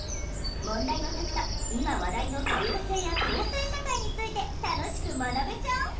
問題を解くと今話題の多様性や共生社会について楽しく学べちゃう！？